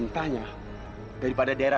tak tak guna